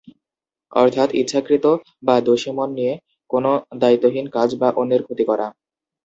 অর্থাৎ ইচ্ছাকৃত বা দোষীমন নিয়ে কোনো দায়িত্বহীন কাজ যা অন্যের ক্ষতি করা।